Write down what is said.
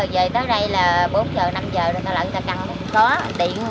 về tới đây là bốn giờ năm giờ là người ta căng